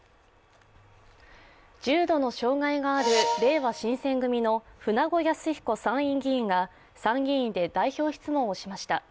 重度の障害があるれいわ新選組の舩後靖彦参院議員が参議院で代表質問をしました。